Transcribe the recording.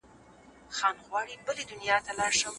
هغه غوښه چې په فریزر کې ساتل شوې وي، باکټريا یې له منځه ځي.